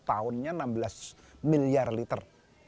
tahunnya enam belas miliar liter